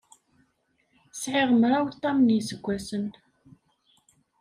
Sɛiɣ mraw tam n yiseggasen.